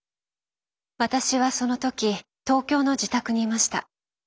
私はその時東京の自宅にいました。